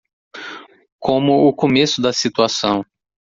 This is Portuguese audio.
Como o começo da situação